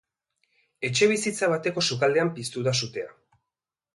Etxebizitza bateko sukaldean piztu da sutea.